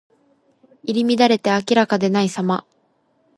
入り乱れて明らかでないさま。